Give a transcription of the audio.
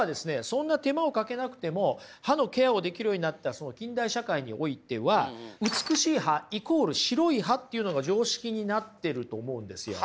そんな手間をかけなくても歯のケアをできるようになった近代社会においては美しい歯＝白い歯っていうのが常識になってると思うんですよ。